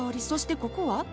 そしてここは？